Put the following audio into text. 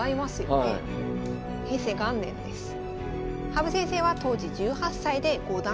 羽生先生は当時１８歳で五段。